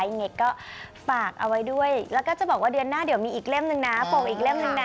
ยังไงก็ฝากเอาไว้ด้วยแล้วก็จะบอกว่าเดือนหน้าเดี๋ยวมีอีกเล่มนึงนะโป่งอีกเล่มนึงนะ